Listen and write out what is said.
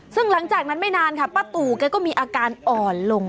ซึ่งหลังจากนั้นไม่นานค่ะป้าตู่แกก็มีอาการอ่อนลง